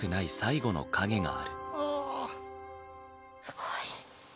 すごい。